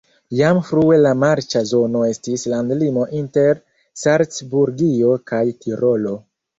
Jam frue la marĉa zono estis landlimo inter Salcburgio kaj Tirolo.